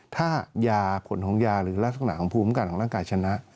ถ้ายาผลของยาหรือลักษณะของภูมิกันของร่างกายชนะ